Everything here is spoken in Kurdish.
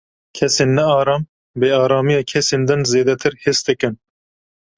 Kesên nearam, bêaramiya kesên din zêdetir his dikin.